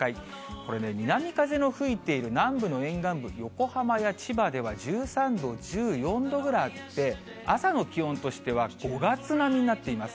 これね、南風の吹いている南部の沿岸部、横浜や千葉では１３度、１４度ぐらいあって、朝の気温としては５月並みになっています。